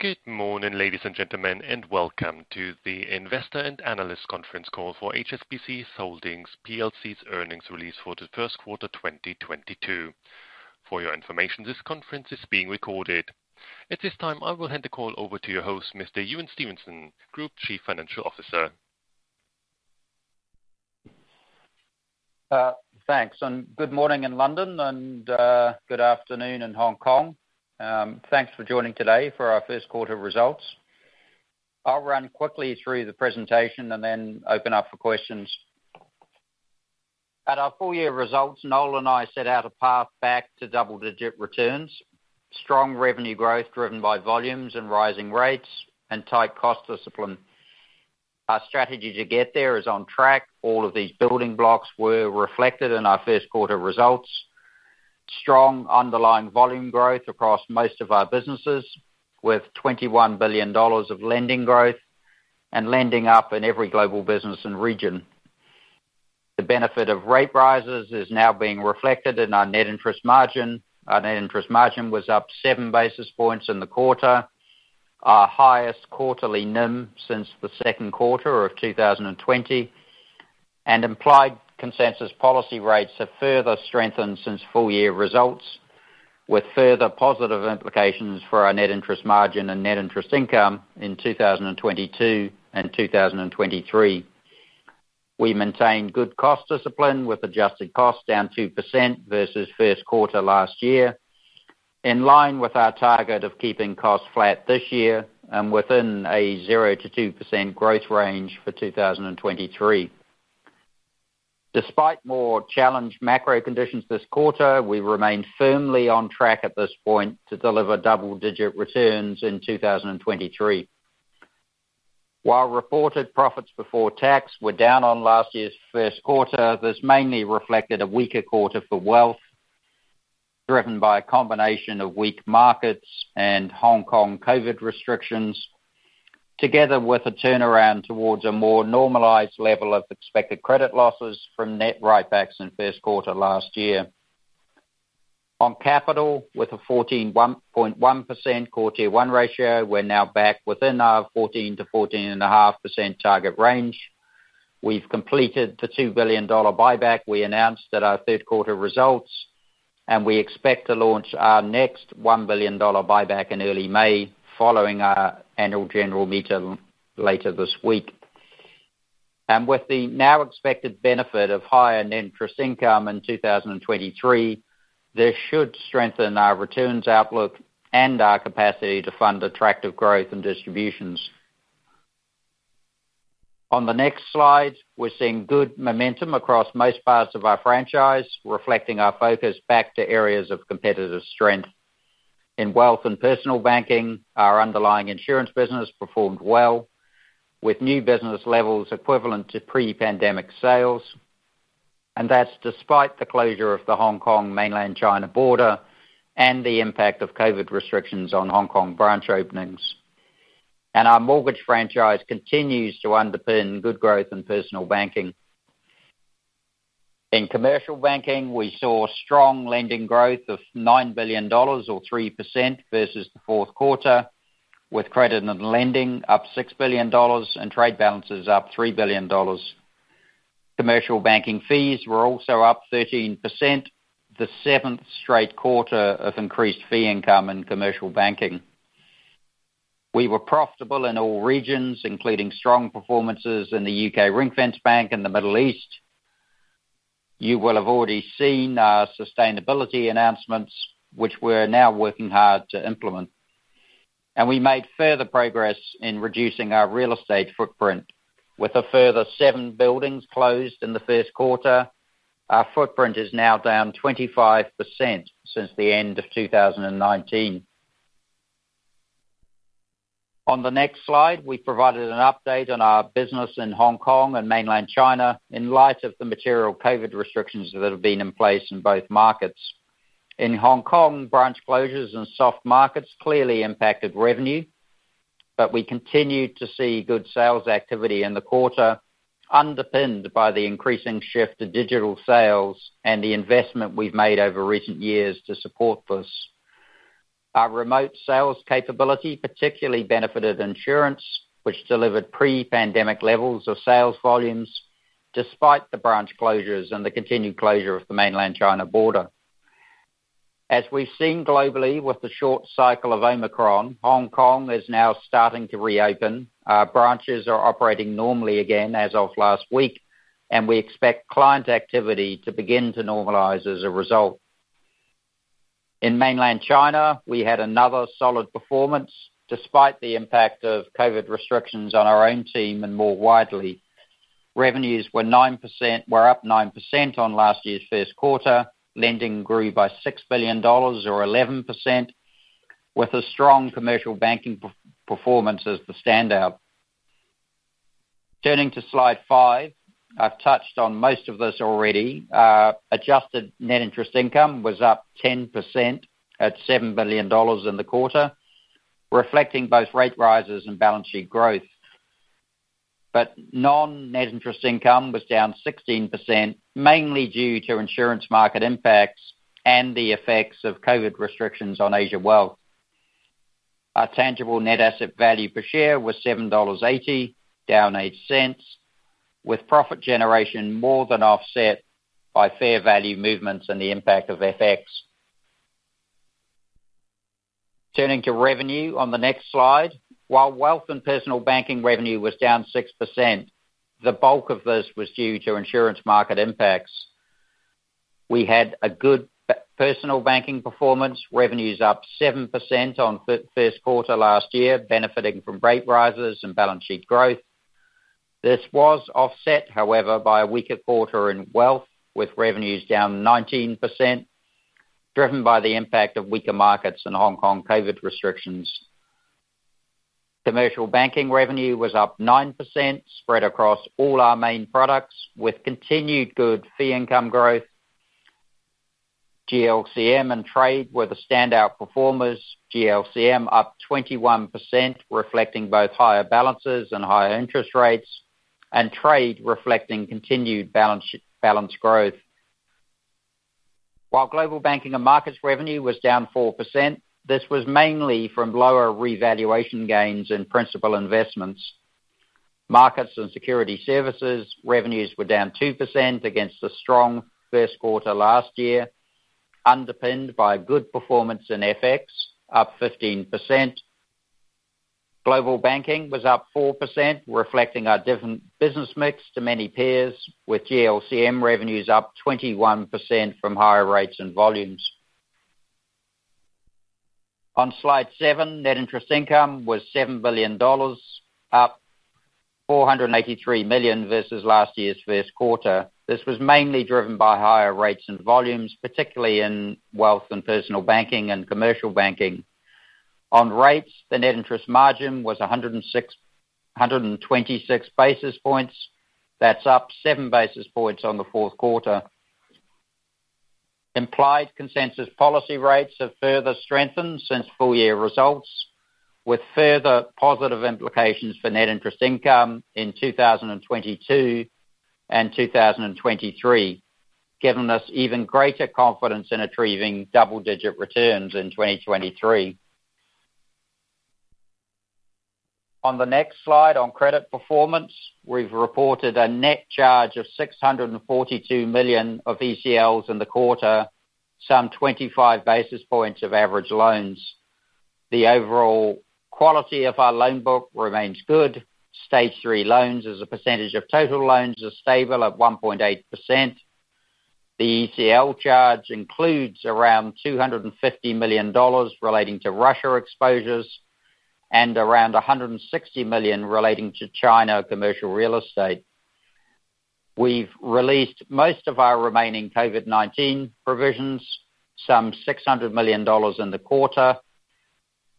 Good morning, ladies and gentlemen, and welcome to the investor and analyst conference call for HSBC Holdings plc's earnings release for Q1 of 2022. For your information, this conference is being recorded. At this time, I will hand the call over to your host, Mr. Ewen Stevenson, Group Chief Financial Officer. Thanks, and good morning in London and good afternoon in Hong Kong. Thanks for joining today for our Q1 results. I'll run quickly through the presentation and then open up for questions. At our full year results, Noel and I set out a path back to double-digit returns, strong revenue growth driven by volumes and rising rates and tight cost discipline. Our strategy to get there is on track. All of these building blocks were reflected in our Q1 results. Strong underlying volume growth across most of our businesses with $21 billion of lending growth and lending up in every global business and region. The benefit of rate rises is now being reflected in our net interest margin. Our net interest margin was up 7 basis points in the quarter, our highest quarterly NIM since Q2 of 2020. Implied consensus policy rates have further strengthened since full-year results with further positive implications for our net interest margin and net interest income in 2022 and 2023. We maintained good cost discipline with adjusted costs down 2% versus Q1 last year, in line with our target of keeping costs flat this year and within a 0%-2% growth range for 2023. Despite more challenged macro conditions this quarter, we remain firmly on track at this point to deliver double-digit returns in 2023. While reported profits before tax were down on last year's first quarter, this mainly reflected a weaker quarter for wealth, driven by a combination of weak markets and Hong Kong COVID restrictions, together with a turnaround towards a more normalized level of expected credit losses from net write-backs in Q1 last year. On capital, with a 14.1% quarter one ratio, we're now back within our 14%-14.5% target range. We've completed the $2 billion buyback we announced at our Q3 results, and we expect to launch our next $1 billion buyback in early May, following our annual general meeting later this week. With the now expected benefit of higher net interest income in 2023, this should strengthen our returns outlook and our capacity to fund attractive growth and distributions. On the next slide, we're seeing good momentum across most parts of our franchise, reflecting our focus back to areas of competitive strength. In Wealth and Personal Banking, our underlying insurance business performed well, with new business levels equivalent to pre-pandemic sales, and that's despite the closure of the Hong Kong-mainland China border and the impact of COVID restrictions on Hong Kong branch openings. Our mortgage franchise continues to underpin good growth in personal banking. In Commercial Banking, we saw strong lending growth of $9 billion or 3% versus the fourth quarter, with credit and lending up $6 billion and trade balances up $3 billion. Commercial Banking fees were also up 13%, the seventh straight quarter of increased fee income in Commercial Banking. We were profitable in all regions, including strong performances in the U.K. Ring-Fence Bank and the Middle East. You will have already seen our sustainability announcements, which we're now working hard to implement. We made further progress in reducing our real estate footprint. With a further seven buildings closed in Q1, our footprint is now down 25% since the end of 2019. On the next slide, we provided an update on our business in Hong Kong and mainland China in light of the material COVID restrictions that have been in place in both markets. In Hong Kong, branch closures and soft markets clearly impacted revenue, but we continued to see good sales activity in the quarter, underpinned by the increasing shift to digital sales and the investment we've made over recent years to support this. Our remote sales capability particularly benefited insurance, which delivered pre-pandemic levels of sales volumes despite the branch closures and the continued closure of the mainland China border. As we've seen globally with the short cycle of Omicron, Hong Kong is now starting to reopen. Our branches are operating normally again as of last week, and we expect client activity to begin to normalize as a result. In mainland China, we had another solid performance despite the impact of COVID restrictions on our own team and more widely. Revenues were up 9% on last year's Q1. Lending grew by $6 billion or 11%, with a strong Commercial Banking performance as the standout. Turning to slide 5. I've touched on most of this already. Adjusted net interest income was up 10% at $7 billion in the quarter, reflecting both rate rises and balance sheet growth. Non net interest income was down 16%, mainly due to insurance market impacts and the effects of COVID restrictions on Asia wealth. Our tangible net asset value per share was $7.80, down $0.08, with profit generation more than offset by fair value movements and the impact of FX. Turning to revenue on the next slide. While Wealth and Personal Banking revenue was down 6%, the bulk of this was due to insurance market impacts. We had a good personal banking performance. Revenue's up 7% on Q1 last year, benefiting from rate rises and balance sheet growth. This was offset, however, by a weaker quarter in wealth, with revenues down 19%, driven by the impact of weaker markets and Hong Kong COVID restrictions. Commercial Banking revenue was up 9% spread across all our main products, with continued good fee income growth. GLCM and trade were the standout performers. GLCM up 21%, reflecting both higher balances and higher interest rates, and trade reflecting continued balance growth. While Global Banking and Markets revenue was down 4%, this was mainly from lower revaluation gains in Principal Investments. Markets and security services revenues were down 2% against the strong Q1 last year, underpinned by good performance in FX, up 15%. Global Banking was up 4%, reflecting our different business mix to many peers, with GLCM revenues up 21% from higher rates and volumes. On slide seven, net interest income was $7 billion, up $483 million versus last year's Q1. This was mainly driven by higher rates and volumes, particularly in Wealth and Personal Banking and Commercial Banking. On rates, the net interest margin was 126 basis points. That's up 7 basis points on Q4. Implied consensus policy rates have further strengthened since full-year results, with further positive implications for net interest income in 2022 and 2023, giving us even greater confidence in achieving double-digit returns in 2023. On the next slide, on credit performance, we've reported a net charge of $642 million of ECLs in the quarter, some 25 basis points of average loans. The overall quality of our loan book remains good. Stage three loans as a percentage of total loans are stable at 1.8%. The ECL charge includes around $250 million relating to Russia exposures and around $160 million relating to China commercial real estate. We've released most of our remaining COVID-19 provisions, some $600 million in the quarter.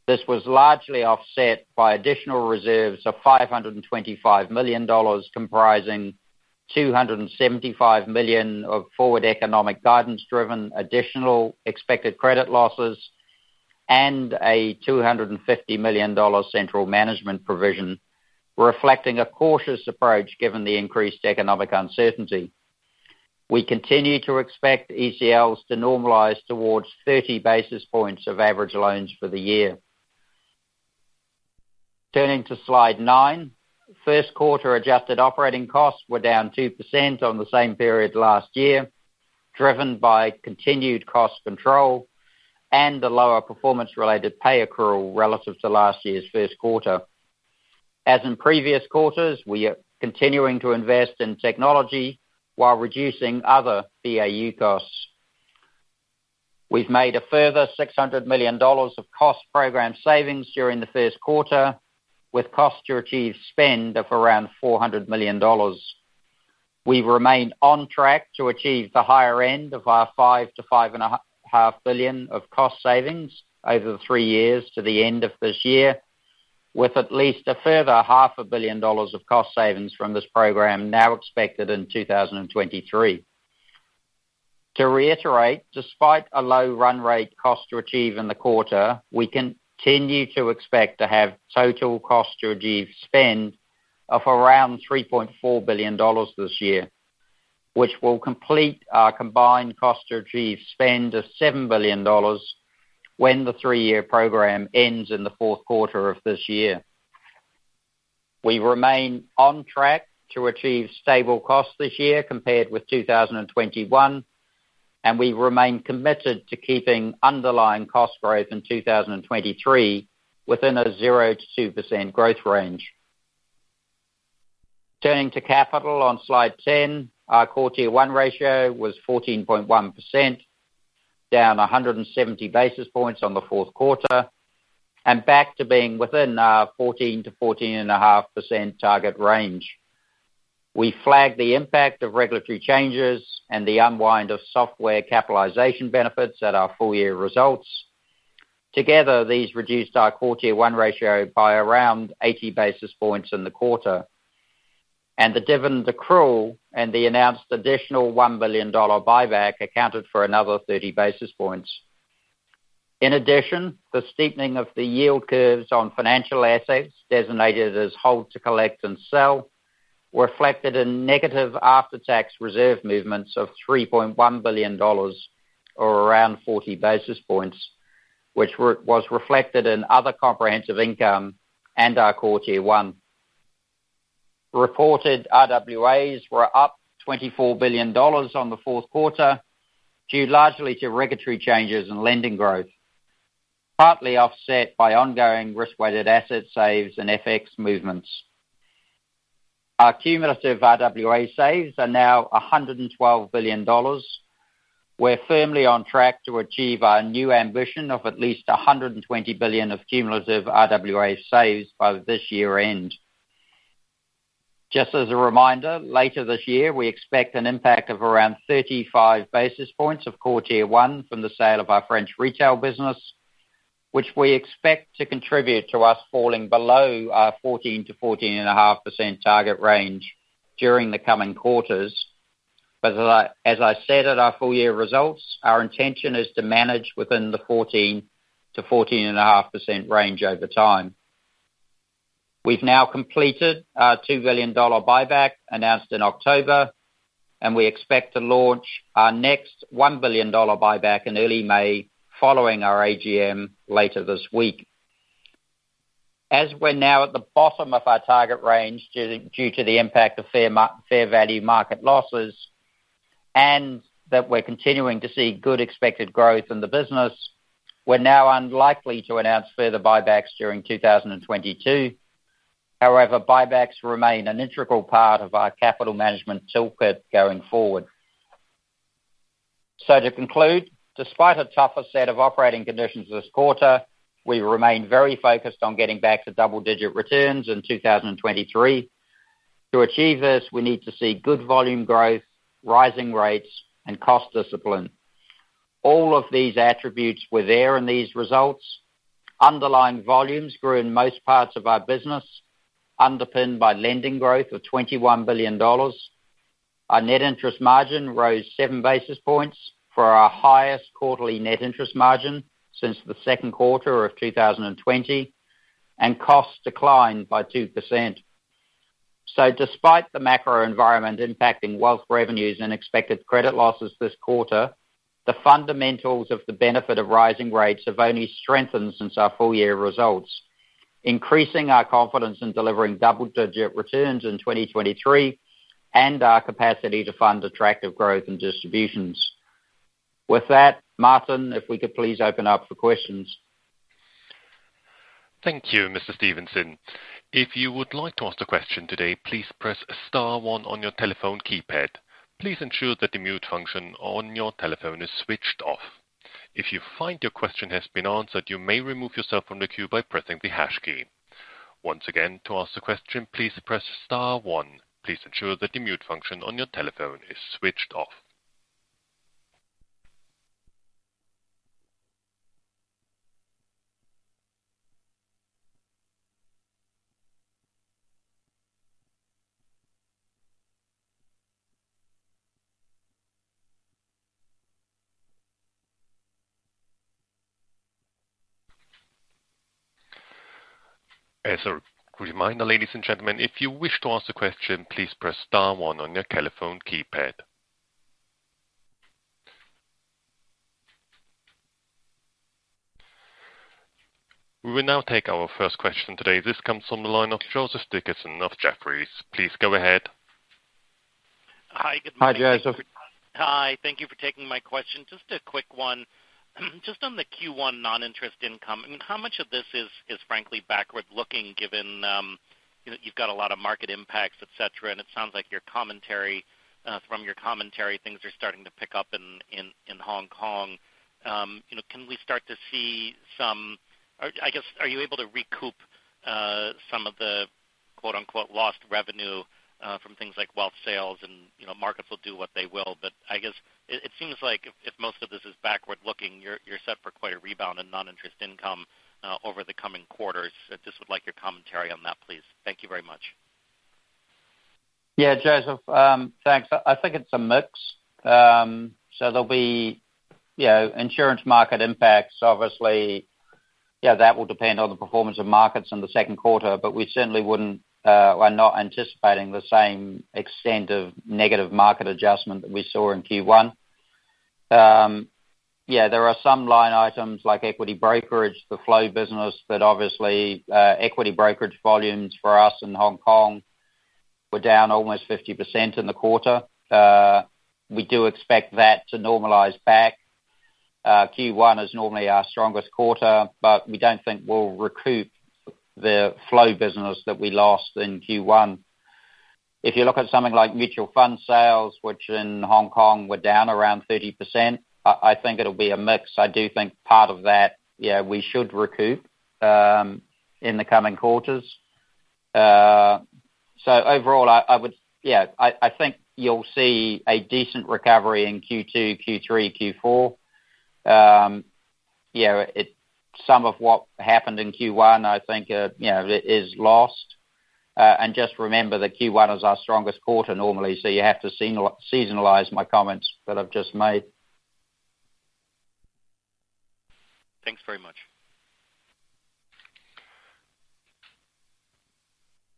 This was largely offset by additional reserves of $525 million, comprising $275 million of forward economic guidance-driven additional expected credit losses and a $250 million central management provision, reflecting a cautious approach given the increased economic uncertainty. We continue to expect ECLs to normalize towards 30 basis points of average loans for the year. Turning to slide 9. First quarter adjusted operating costs were down 2% on the same period last year, driven by continued cost control and the lower performance-related pay accrual relative to last year's first quarter. As in previous quarters, we are continuing to invest in technology while reducing other BAU costs. We've made a further $600 million of cost program savings during Q1, with cost to achieve spend of around $400 million. We remain on track to achieve the higher end of our $5 billion-$5.5 billion of cost savings over the three years to the end of this year, with at least a further half a billion dollars of cost savings from this program now expected in 2023. To reiterate, despite a low run rate cost to achieve in the quarter, we continue to expect to have total cost to achieve spend of around $3.4 billion this year, which will complete our combined cost to achieve spend of $7 billion when the three-year program ends in Q4 of this year. We remain on track to achieve stable costs this year compared with 2021, and we remain committed to keeping underlying cost growth in 2023 within a 0%-2% growth range. Turning to capital on slide 10. Our Core Tier 1 ratio was 14.1%, down 170 basis points on Q4, and back to being within our 14%-14.5% target range. We flagged the impact of regulatory changes and the unwind of software capitalization benefits at our full-year results. Together, these reduced our Core Tier One ratio by around 80 basis points in the quarter, and the dividend accrual and the announced additional $1 billion buyback accounted for another 30 basis points. In addition, the steepening of the yield curves on financial assets designated as hold to collect and sell reflected in negative after-tax reserve movements of $3.1 billion, or around 40 basis points, which was reflected in other comprehensive income and our Core Tier One. Reported RWAs were up $24 billion on Q4, due largely to regulatory changes and lending growth, partly offset by ongoing risk-weighted asset saves and FX movements. Our cumulative RWA saves are now $112 billion. We're firmly on track to achieve our new ambition of at least $120 billion of cumulative RWA saves by this year-end. Just as a reminder, later this year, we expect an impact of around 35 basis points of CET1 from the sale of our French retail business, which we expect to contribute to us falling below our 14%-14.5% target range during the coming quarters. As I said at our full-year results, our intention is to manage within the 14%-14.5% range over time. We've now completed our $2 billion buyback announced in October, and we expect to launch our next $1 billion buyback in early May, following our AGM later this week. As we're now at the bottom of our target range due to the impact of fair value market losses, and that we're continuing to see good expected growth in the business, we're now unlikely to announce further buybacks during 2022. However, buybacks remain an integral part of our capital management toolkit going forward. To conclude, despite a tougher set of operating conditions this quarter, we remain very focused on getting back to double-digit returns in 2023. To achieve this, we need to see good volume growth, rising rates, and cost discipline. All of these attributes were there in these results. Underlying volumes grew in most parts of our business, underpinned by lending growth of $21 billion. Our net interest margin rose 7 basis points for our highest quarterly net interest margin since Q2 of 2020, and costs declined by 2%. Despite the macro environment impacting wealth revenues and expected credit losses this quarter, the fundamentals of the benefit of rising rates have only strengthened since our full year results, increasing our confidence in delivering double-digit returns in 2023 and our capacity to fund attractive growth and distributions. With that, Martin, if we could please open up for questions. Thank you, Mr. Stevenson. If you would like to ask a question today, please press star one on your telephone keypad. Please ensure that the mute function on your telephone is switched off. If you find your question has been answered, you may remove yourself from the queue by pressing the hash key. Once again, to ask a question, please press star one. Please ensure that the mute function on your telephone is switched off. As a reminder, ladies and gentlemen, if you wish to ask a question, please press star one on your telephone keypad. We will now take our first question today. This comes from the line of Joseph Dickerson of Jefferies. Please go ahead. Hi. Good morning. Hi, Joe. Hi. Thank you for taking my question. Just a quick one. Just on the Q1 non-interest income, I mean, how much of this is frankly backward-looking given, you know, you've got a lot of market impacts, et cetera, and it sounds like your commentary, from your commentary, things are starting to pick up in Hong Kong. You know, can we start to see some, or I guess, are you able to recoup some of the quote, unquote, lost revenue from things like wealth sales and, you know, markets will do what they will. I guess it seems like if most of this is backward-looking, you're set for quite a rebound in non-interest income over the coming quarters. I just would like your commentary on that, please. Thank you very much. Yeah, Joseph. Thanks. I think it's a mix. There'll be, you know, insurance market impacts, obviously. Yeah, that will depend on the performance of markets in Q2, but we certainly wouldn't, or not anticipating the same extent of negative market adjustment that we saw in Q1. Yeah, there are some line items like equity brokerage, the flow business that obviously, equity brokerage volumes for us in Hong Kong were down almost 50% in the quarter. We do expect that to normalize back. Q1 is normally our strongest quarter, but we don't think we'll recoup the flow business that we lost in Q1. If you look at something like mutual fund sales, which in Hong Kong were down around 30%, I think it'll be a mix. I do think part of that, yeah, we should recoup in the coming quarters. Overall, I think you'll see a decent recovery in Q2, Q3, Q4. You know, it's some of what happened in Q1, I think, you know, is lost. Just remember that Q1 is our strongest quarter normally, so you have to seasonalize my comments that I've just made. Thanks very much.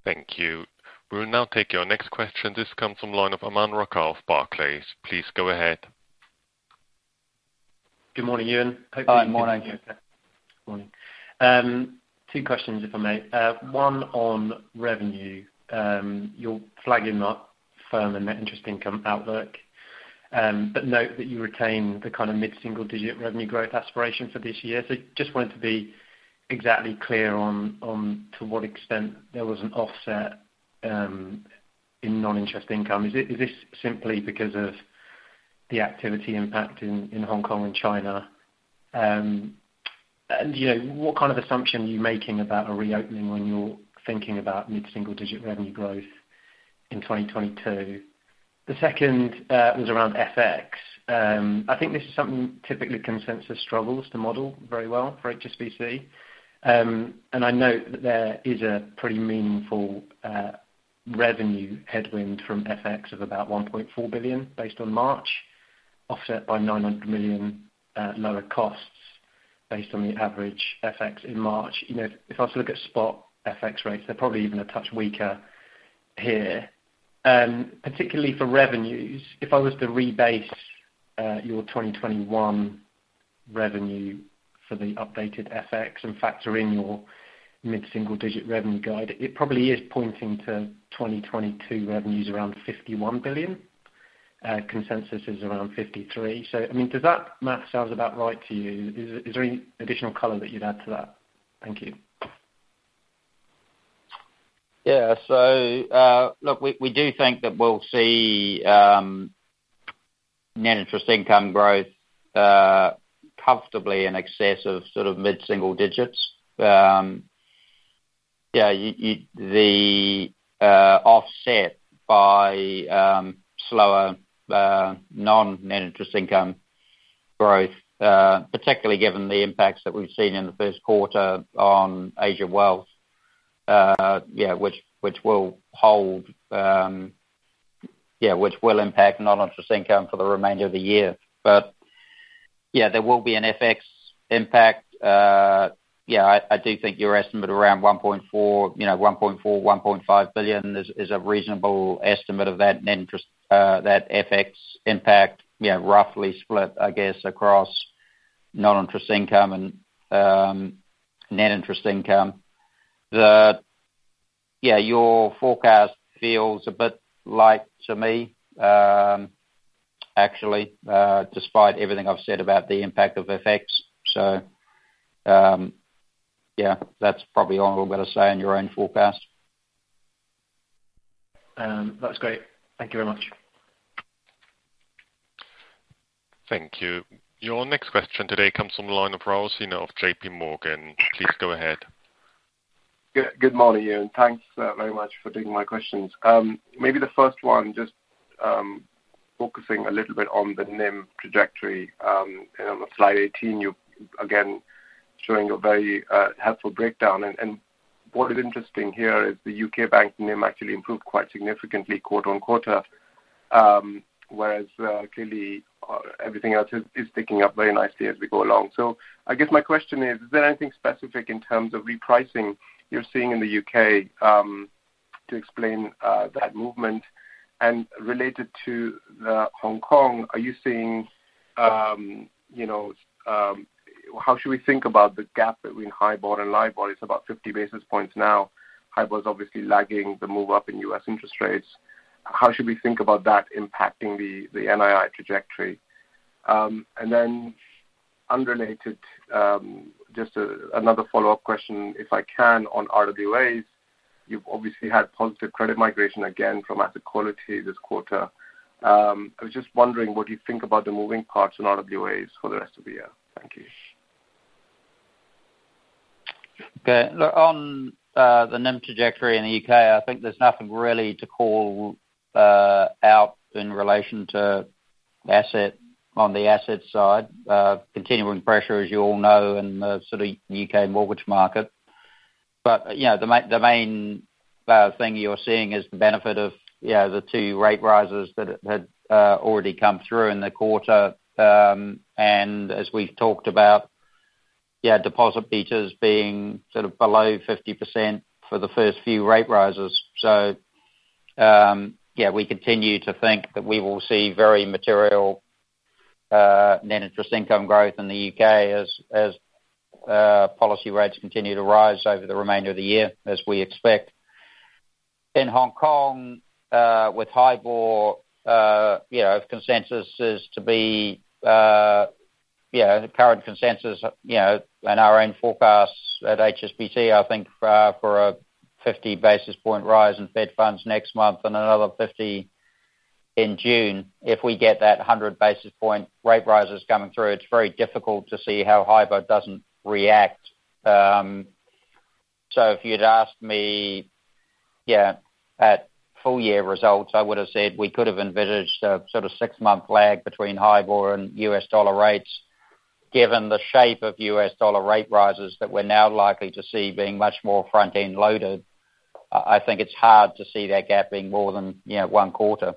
Thank you. We will now take your next question. This comes from the line of Aman Rakkar of Barclays. Please go ahead. Good morning, Ewen. Hi. Morning. Morning. 2 questions, if I may. One on revenue. You're flagging that firming net interest income outlook, but note that you retain the kind of mid-single digit revenue growth aspiration for this year. Just wanted to be exactly clear on to what extent there was an offset in non-interest income. Is this simply because of the activity impact in Hong Kong and China? And you know, what kind of assumption are you making about a reopening when you're thinking about mid-single digit revenue growth in 2022? The second was around FX. I think this is something typically consensus struggles to model very well for HSBC. I know that there is a pretty meaningful revenue headwind from FX of about $1.4 billion based on March, offset by $900 million at lower costs based on the average FX in March. You know, if I was to look at spot FX rates, they're probably even a touch weaker here. Particularly for revenues, if I was to rebase your 2021 revenue for the updated FX and factor in your mid-single digit revenue guide, it probably is pointing to 2022 revenues around $51 billion. Consensus is around $53 billion. I mean, does that math sound about right to you? Is there any additional color that you'd add to that? Thank you. Yeah. Look, we do think that we'll see net interest income growth comfortably in excess of sort of mid-single digits. Offset by slower non-interest income growth, particularly given the impacts that we've seen in Q1 on Asia wealth, which will impact non-interest income for the remainder of the year. There will be an FX impact. I do think your estimate around $1.4-$1.5 billion is a reasonable estimate of that FX impact, roughly split, I guess, across non-interest income and net interest income. Your forecast feels a bit light to me, actually, despite everything I've said about the impact of FX. Yeah, that's probably all I've got to say on your own forecast. That's great. Thank you very much. Thank you. Your next question today comes from the line of Raul Sinha of JPMorgan. Please go ahead. Good morning, Ewen. Thanks very much for taking my questions. Maybe the first one, just focusing a little bit on the NIM trajectory. You know, on slide 18, you're again showing a very helpful breakdown. What is interesting here is the U.K. bank NIM actually improved quite significantly quarter-on-quarter, whereas clearly everything else is ticking up very nicely as we go along. I guess my question is there anything specific in terms of repricing you're seeing in the U.K. to explain that movement? And related to Hong Kong, are you seeing you know how should we think about the gap between HIBOR and LIBOR? It's about 50 basis points now. HIBOR's obviously lagging the move up in U.S. interest rates. How should we think about that impacting the NII trajectory? Unrelated, just another follow-up question, if I can, on RWAs. You've obviously had positive credit migration again from asset quality this quarter. I was just wondering what you think about the moving parts in RWAs for the rest of the year. Thank you. Okay. Look, on the NIM trajectory in the U.K., I think there's nothing really to call out on the asset side. Continuing pressure, as you all know, in the sort of U.K. mortgage market. You know, the main thing you're seeing is the benefit of, you know, the two rate rises that had already come through in the quarter. As we've talked about, yeah, deposit betas being sort of below 50% for the first few rate rises. We continue to think that we will see very material net interest income growth in the U.K. as policy rates continue to rise over the remainder of the year, as we expect. In Hong Kong, with HIBOR, you know, if consensus is to be, you know, the current consensus, you know, and our own forecasts at HSBC, I think, for a 50 basis point rise in Fed funds next month and another 50 in June. If we get that 100 basis point rate rises coming through, it's very difficult to see how HIBOR doesn't react. So if you'd asked me at full year results, I would've said we could have envisaged a sort of six-month lag between HIBOR and U.S. dollar rates. Given the shape of U.S. dollar rate rises that we're now likely to see being much more front-end loaded, I think it's hard to see that gap being more than, you know, one quarter.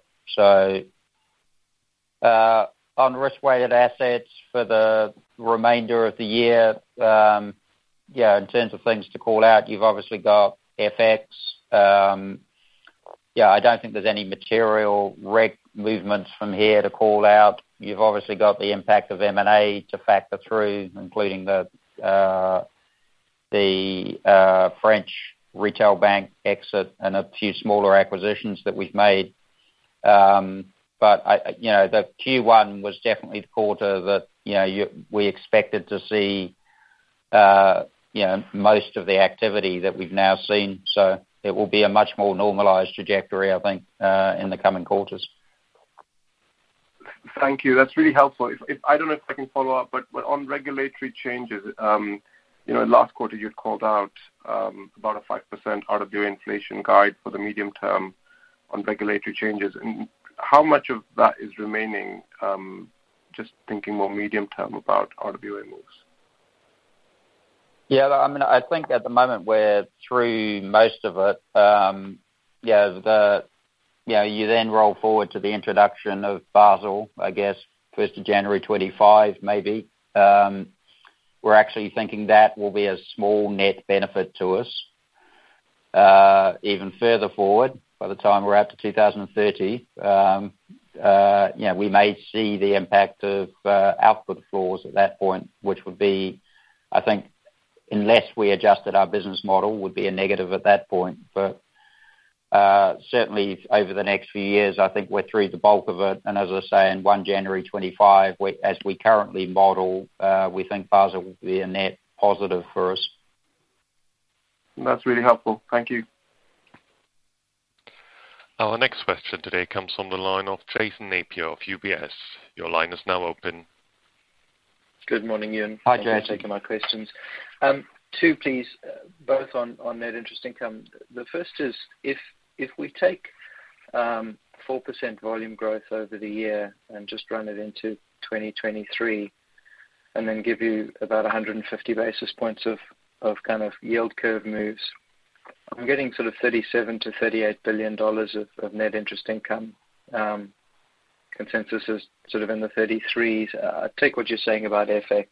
On risk-weighted assets for the remainder of the year, yeah, in terms of things to call out, you've obviously got FX. Yeah, I don't think there's any material reg movements from here to call out. You've obviously got the impact of M&A to factor through, including the French retail bank exit and a few smaller acquisitions that we've made. But I, you know, the Q1 was definitely the quarter that, you know, we expected to see, you know, most of the activity that we've now seen. It will be a much more normalized trajectory, I think, in the coming quarters. Thank you. That's really helpful. If I don't know if I can follow up, but on regulatory changes, you know, last quarter you'd called out, about a 5% RWA inflation guide for the medium term on regulatory changes. How much of that is remaining? Just thinking more medium term about RWA moves. Yeah. I mean, I think at the moment we're through most of it. You know, you then roll forward to the introduction of Basel, I guess, first of January 2025 maybe. We're actually thinking that will be a small net benefit to us. Even further forward, by the time we're out to 2030, you know, we may see the impact of output floors at that point, which would be, I think, unless we adjusted our business model, a negative at that point. Certainly over the next few years, I think we're through the bulk of it, and as I say, in 1 January 2025, as we currently model, we think Basel will be a net positive for us. That's really helpful. Thank you. Our next question today comes from the line of Jason Napier of UBS. Your line is now open. Good morning, Ewen. Hi, Jason. Thanks for taking my questions. Two please, both on net interest income. The first is if we take 4% volume growth over the year and just run it into 2023, and then give you about 150 basis points of kind of yield curve moves, I'm getting sort of $37 billion-$38 billion of net interest income. Consensus is sort of in the $33 billion. I take what you're saying about FX.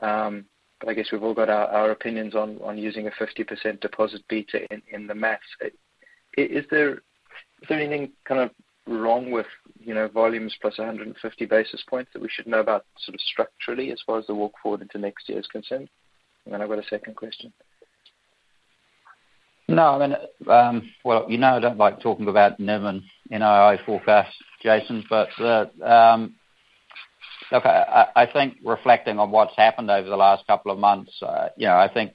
But I guess we've all got our opinions on using a 50% deposit beta in the math. Is there anything kind of wrong with, you know, volumes plus 150 basis points that we should know about sort of structurally as far as the walk forward into next year is concerned? I've got a second question. No, I mean, well, you know I don't like talking about NIM and NII forecast, Jason, but. Okay. I think reflecting on what's happened over the last couple of months, you know, I think,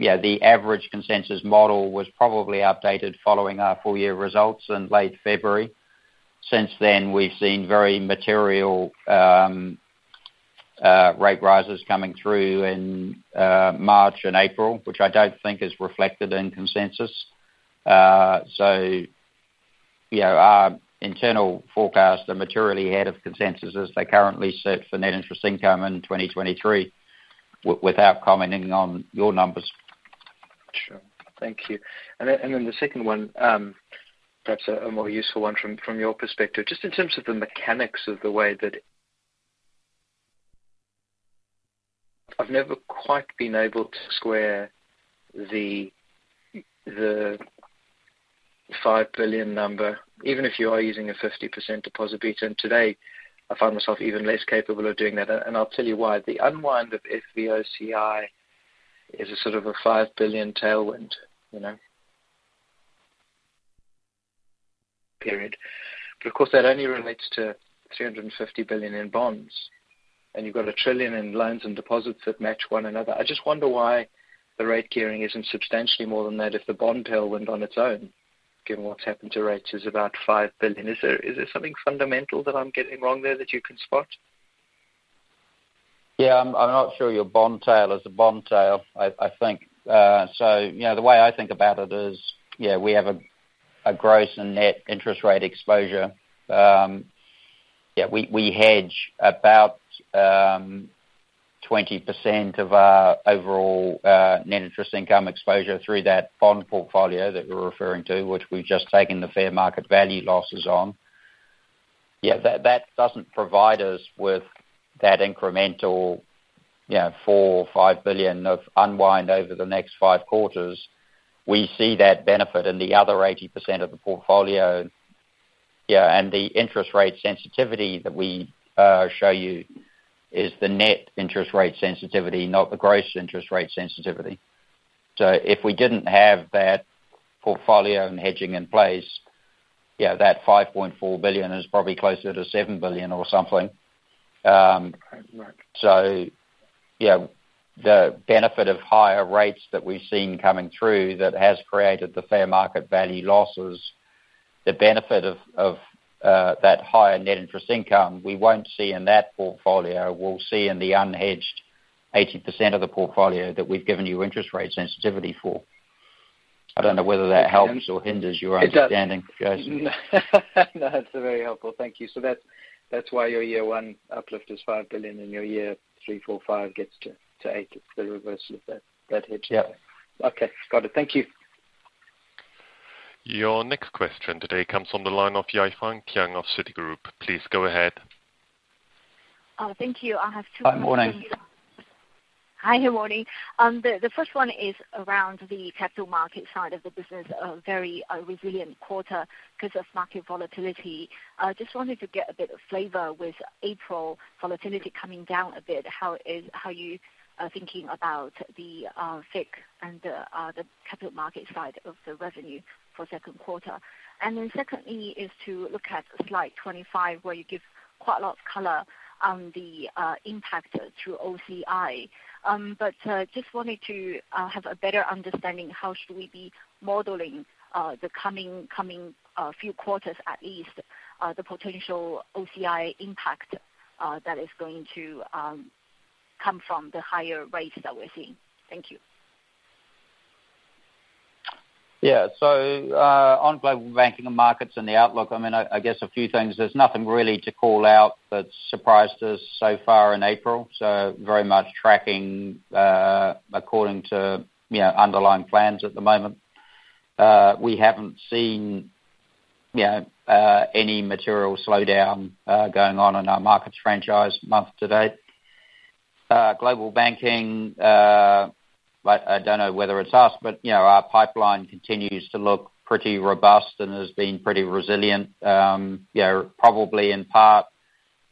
you know, the average consensus model was probably updated following our full year results in late February. Since then, we've seen very material rate rises coming through in March and April, which I don't think is reflected in consensus. So, you know, our internal forecasts are materially ahead of consensus as they currently sit for net interest income in 2023, without commenting on your numbers. Sure. Thank you. The second one, perhaps a more useful one from your perspective. Just in terms of the mechanics of the way that I've never quite been able to square the $5 billion number, even if you are using a 50% deposit beta, and today I find myself even less capable of doing that. I'll tell you why. The unwind of FVOCI is sort of a $5 billion tailwind, you know? Period. Of course, that only relates to $350 billion in bonds, and you've got $1 trillion in loans and deposits that match one another. I just wonder why the rate gearing isn't substantially more than that if the bond tailwind on its own, given what's happened to rates, is about $5 billion. Is there something fundamental that I'm getting wrong there that you can spot? Yeah. I'm not sure your bond tail is a bond tail. I think, so you know, the way I think about it is, you know, we have a gross and net interest rate exposure. Yeah, we hedge about 20% of our overall net interest income exposure through that bond portfolio that we're referring to, which we've just taken the fair market value losses on. Yeah. That doesn't provide us with that incremental, you know, $4 billion or $5 billion of unwind over the next five quarters. We see that benefit in the other 80% of the portfolio. Yeah, and the interest rate sensitivity that we show you is the net interest rate sensitivity, not the gross interest rate sensitivity. If we didn't have that portfolio and hedging in place, you know, that $5.4 billion is probably closer to $7 billion or something. Right. You know, the benefit of higher rates that we've seen coming through that has created the fair market value losses, the benefit of that higher net interest income we won't see in that portfolio, we'll see in the unhedged 80% of the portfolio that we've given you interest rate sensitivity for. I don't know whether that helps or hinders your understanding, Jason. No, it's very helpful. Thank you. That's why your year one uplift is $5 billion and your year three, four, five gets to $8 billion. It's the reverse of that hedge. Yeah. Okay. Got it. Thank you. Your next question today comes from the line of Yafei Tian of Citigroup. Please go ahead. Thank you. I have two- Hi. Morning. Hi. Good morning. The first one is around the capital market side of the business, a very resilient quarter because of market volatility. Just wanted to get a bit of flavor with April volatility coming down a bit, how you are thinking about the FIC and the capital market side of the revenue for Q2. Secondly is to look at slide 25, where you give quite a lot of color on the impact through OCI. Just wanted to have a better understanding how should we be modeling the coming few quarters at least, the potential OCI impact that is going to come from the higher rates that we're seeing. Thank you. On Global Banking and Markets and the outlook, I guess a few things. There's nothing really to call out that surprised us so far in April, so very much tracking according to underlying plans at the moment. We haven't seen any material slowdown going on in our markets franchise month to date. Global Banking, I don't know whether it's us, our pipeline continues to look pretty robust and has been pretty resilient, probably in part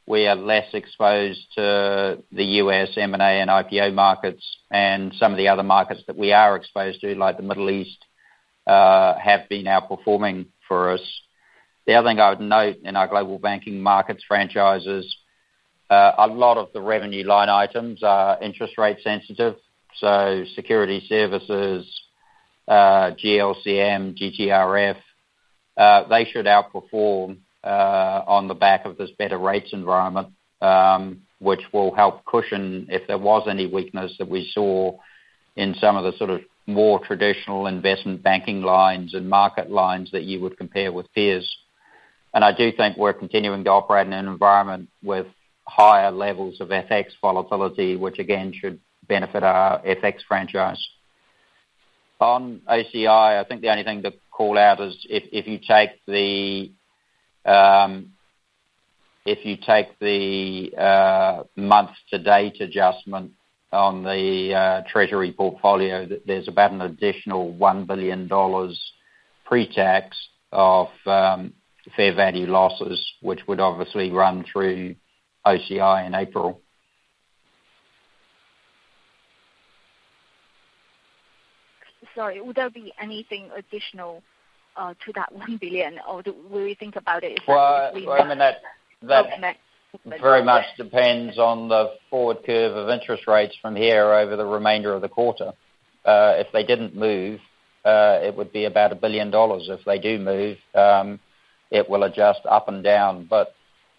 we are less exposed to the U.S. M&A and IPO markets and some of the other markets that we are exposed to, like the Middle East, have been outperforming for us. The other thing I would note in our Global Banking and Markets franchises, a lot of the revenue line items are interest rate sensitive. Security services, GLCM, GTRF, they should outperform on the back of this better rates environment, which will help cushion if there was any weakness that we saw in some of the sort of more traditional investment banking lines and market lines that you would compare with peers. I do think we're continuing to operate in an environment with higher levels of FX volatility, which again should benefit our FX franchise. On OCI, I think the only thing to call out is if you take the month-to-date adjustment on the treasury portfolio, that there's about an additional $1 billion pretax of fair value losses, which would obviously run through OCI in April. Sorry, would there be anything additional to that $1 billion, or do we think about it if that? Well, I mean, that very much depends on the forward curve of interest rates from here over the remainder of the quarter. If they didn't move, it would be about $1 billion. If they do move, it will adjust up and down.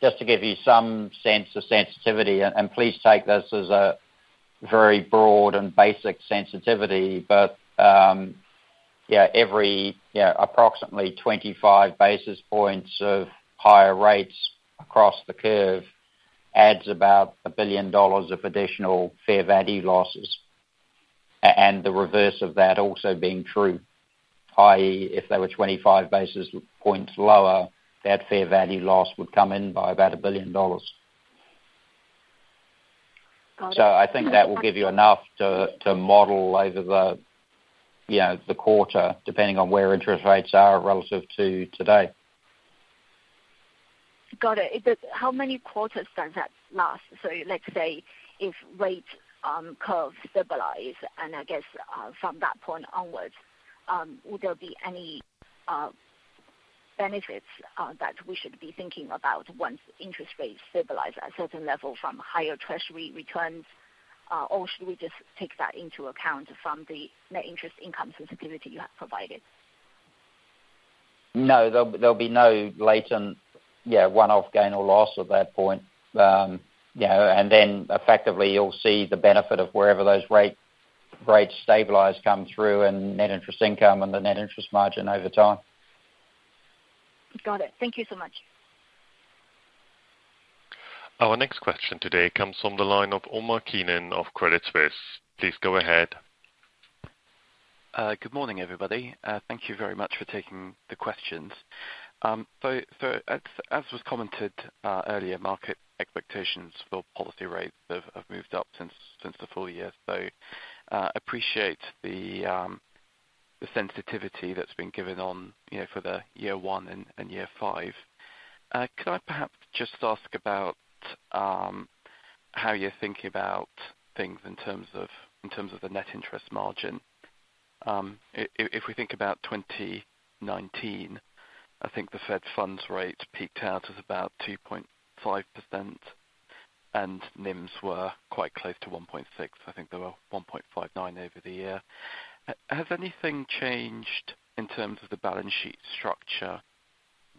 Just to give you some sense of sensitivity, and please take this as a very broad and basic sensitivity. Yeah, every, you know, approximately 25 basis points of higher rates across the curve adds about $1 billion of additional fair value losses. And the reverse of that also being true, i.e., if they were 25 basis points lower, that fair value loss would come in by about $1 billion. Got it. I think that will give you enough to model over the, you know, the quarter depending on where interest rates are relative to today. Got it. How many quarters does that last? Let's say if rate curve stabilize, and I guess, from that point onwards, would there be any, benefits, that we should be thinking about once interest rates stabilize at a certain level from higher treasury returns? Or should we just take that into account from the net interest income sensitivity you have provided? No, there'll be no latent, yeah, one-off gain or loss at that point. You know, effectively you'll see the benefit of wherever those rates stabilize come through in net interest income and the net interest margin over time. Got it. Thank you so much. Our next question today comes from the line of Omar Keenan of Credit Suisse. Please go ahead. Good morning, everybody. Thank you very much for taking the questions. As was commented earlier, market expectations for policy rates have moved up since the full year. Appreciate the sensitivity that's been given on, you know, for the year one and year five. Could I perhaps just ask about how you're thinking about things in terms of the net interest margin? If we think about 2019, I think the Fed funds rate peaked out at about 2.5%, and NIMs were quite close to 1.6%. I think they were 1.59% over the year. Has anything changed in terms of the balance sheet structure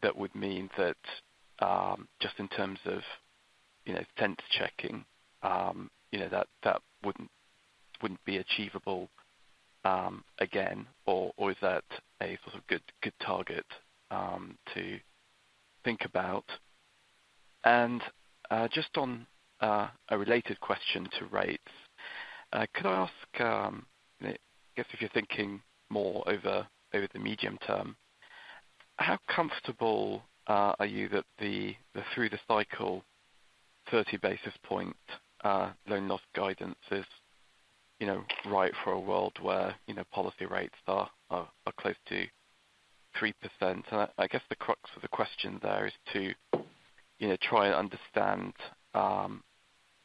that would mean that, just in terms of, you know, sanity checking, you know, that that wouldn't be achievable again or is that a sort of good target to think about? Just on a related question to rates, could I ask, I guess if you're thinking more over the medium term, how comfortable are you that the through the cycle 30 basis point loan loss guidance is, you know, right for a world where, you know, policy rates are close to 3%? I guess the crux of the question there is to you know try and understand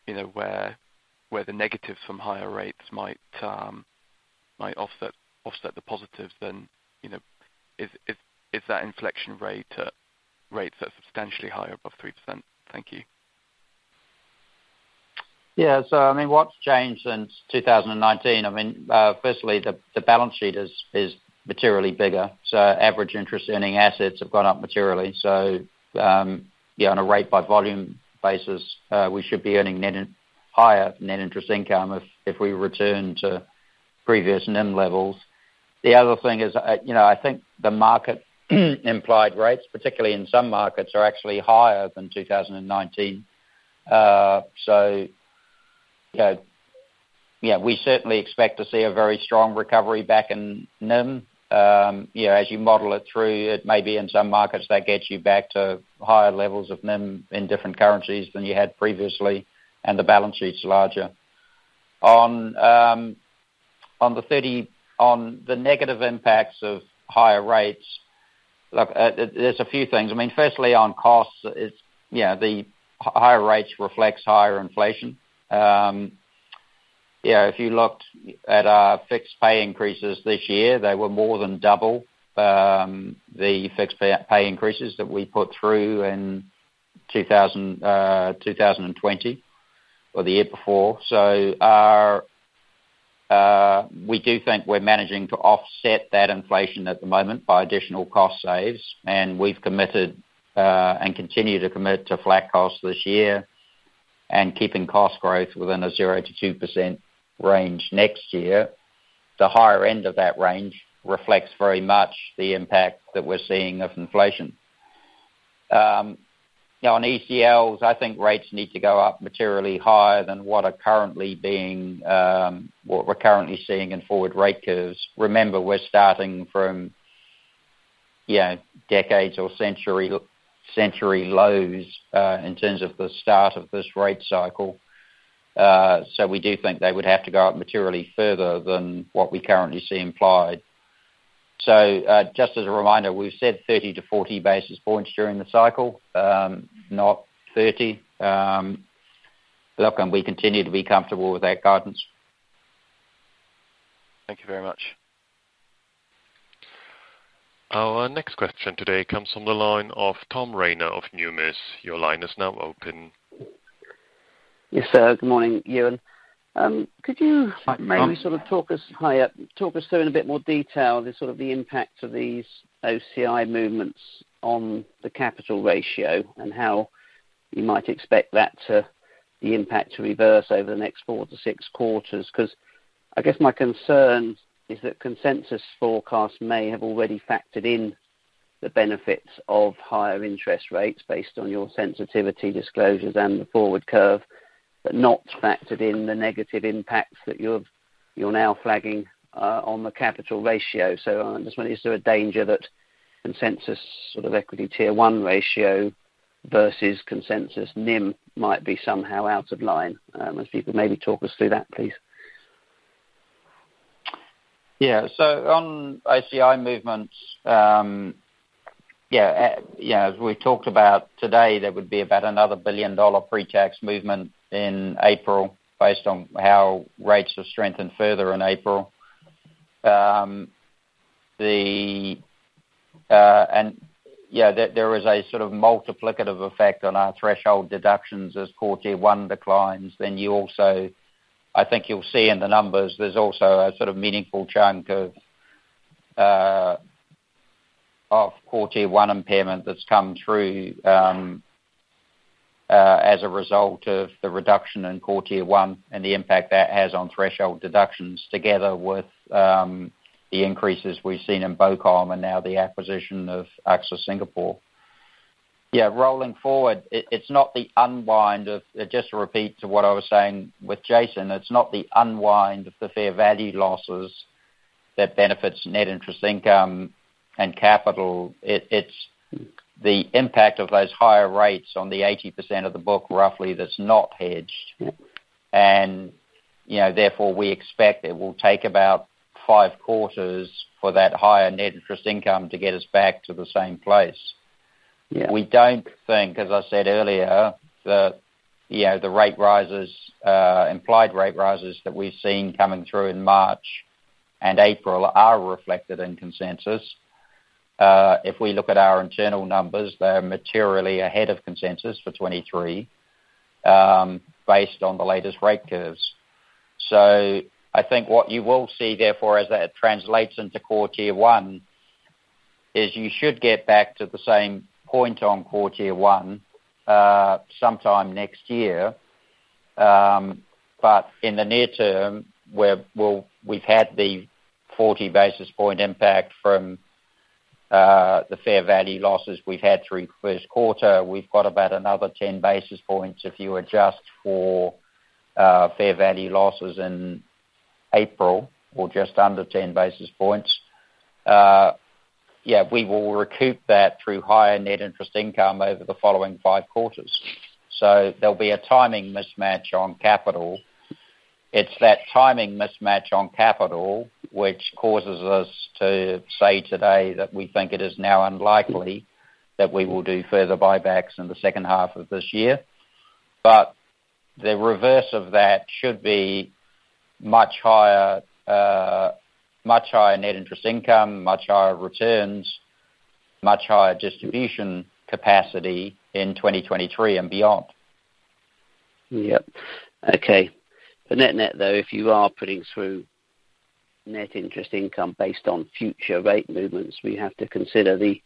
you know where the negatives from higher rates might offset the positives then you know is that inflection rate are substantially higher above 3%? Thank you. Yeah, I mean, what's changed since 2019? I mean, firstly the balance sheet is materially bigger, so average interest earning assets have gone up materially. Yeah, on a rate by volume basis, we should be earning higher net interest income if we return to previous NIM levels. The other thing is, you know, I think the market implied rates, particularly in some markets, are actually higher than 2019. You know, yeah, we certainly expect to see a very strong recovery back in NIM. You know, as you model it through, it may be in some markets that gets you back to higher levels of NIM in different currencies than you had previously and the balance sheet's larger. On the negative impacts of higher rates, look, there's a few things. I mean, firstly, on costs, it's. Yeah, the higher rates reflects higher inflation. Yeah, if you looked at our fixed pay increases this year, they were more than double the fixed pay increases that we put through in 2020 or the year before. We do think we're managing to offset that inflation at the moment by additional cost saves. We've committed and continue to commit to flat costs this year and keeping cost growth within a 0%-2% range next year. The higher end of that range reflects very much the impact that we're seeing of inflation. Now on ECLs, I think rates need to go up materially higher than what we're currently seeing in forward rate curves. Remember, we're starting from decades or century lows in terms of the start of this rate cycle. We do think they would have to go up materially further than what we currently see implied. Just as a reminder, we've said 30-40 basis points during the cycle, not 30. Look, we continue to be comfortable with that guidance. Thank you very much. Our next question today comes from the line of Tom Rayner of Numis. Your line is now open. Yes, sir. Good morning, Ewen. Could you- Hi, Tom. Talk us through in a bit more detail the impact of these OCI movements on the capital ratio and how you might expect that impact to reverse over the next 4-6 quarters. 'Cause I guess my concern is that consensus forecast may have already factored in the benefits of higher interest rates based on your sensitivity disclosures and the forward curve, but not factored in the negative impacts that you've, you're now flagging, on the capital ratio. I'm just wondering, is there a danger that consensus sort of equity tier one ratio versus consensus NIM might be somehow out of line? If you could maybe talk us through that, please. Yeah. On OCI movements, as we talked about today, there would be about another $1 billion pre-tax movement in April based on how rates have strengthened further in April. There is a sort of multiplicative effect on our threshold deductions as core tier one declines. I think you'll see in the numbers there's also a sort of meaningful chunk of core tier one impairment that's come through as a result of the reduction in core tier one and the impact that has on threshold deductions together with the increases we've seen in BoCom and now the acquisition of AXA Singapore. Rolling forward, it's not the unwind of. Just to repeat to what I was saying with Jason, it's not the unwind of the fair value losses that benefits net interest income and capital. It's the impact of those higher rates on the 80% of the book, roughly, that's not hedged. You know, therefore, we expect it will take about five quarters for that higher net interest income to get us back to the same place. Yeah. We don't think, as I said earlier, that the rate rises, implied rate rises that we've seen coming through in March and April are reflected in consensus. If we look at our internal numbers, they are materially ahead of consensus for 2023, based on the latest rate curves. I think what you will see, therefore, as that translates into core tier one, is you should get back to the same point on core tier one, sometime next year. In the near term, we've had the 40 basis point impact from the fair value losses we've had through Q1. We've got about another 10 basis points if you adjust for fair value losses in April or just under 10 basis points. We will recoup that through higher net interest income over the following five quarters. There'll be a timing mismatch on capital. It's that timing mismatch on capital which causes us to say today that we think it is now unlikely that we will do further buybacks in H2 of this year. The reverse of that should be much higher, much higher net interest income, much higher returns, much higher distribution capacity in 2023 and beyond. Yep. Okay. Net-net though, if you are putting through net interest income based on future rate movements, we have to consider the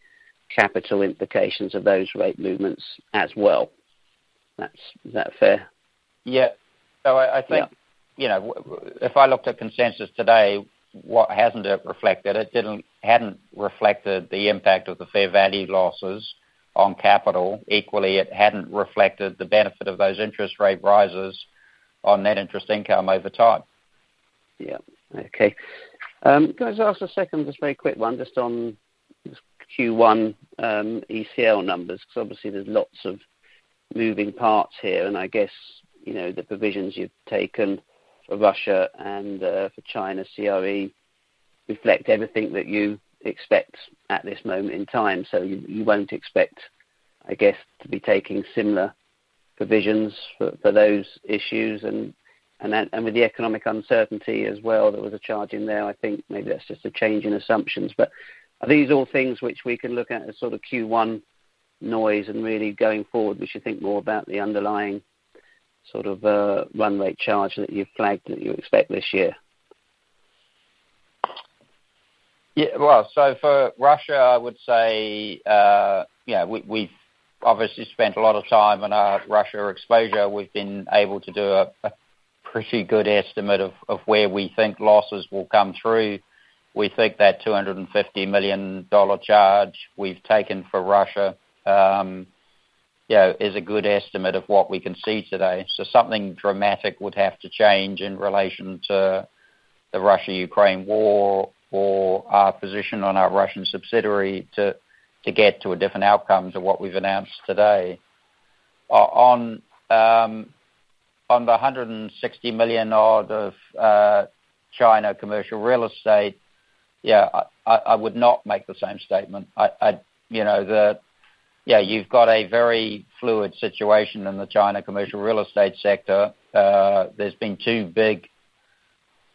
capital implications of those rate movements as well. That's. Is that fair? Yeah. I think. Yeah. You know, if I looked at consensus today, what hasn't it reflected? It hadn't reflected the impact of the fair value losses on capital. Equally, it hadn't reflected the benefit of those interest rate rises on net interest income over time. Yeah. Okay. Can I just ask a second, just very quick one, just on Q1, ECL numbers, because obviously there's lots of moving parts here, and I guess, you know, the provisions you've taken for Russia and for China CRE reflect everything that you expect at this moment in time. So you won't expect, I guess, to be taking similar provisions for those issues and with the economic uncertainty as well, there was a charge in there. I think maybe that's just a change in assumptions. But are these all things which we can look at as sort of Q1 noise and really going forward, we should think more about the underlying sort of run rate charge that you've flagged that you expect this year? Yeah. Well, for Russia, I would say, yeah, we've obviously spent a lot of time on our Russia exposure. We've been able to do a pretty good estimate of where we think losses will come through. We think that $250 million charge we've taken for Russia, you know, is a good estimate of what we can see today. Something dramatic would have to change in relation to the Russia-Ukraine war or our position on our Russian subsidiary to get to a different outcome to what we've announced today. On the $160 million odd of China commercial real estate, yeah, I would not make the same statement. You know, yeah, you've got a very fluid situation in the China commercial real estate sector. There's been 2 big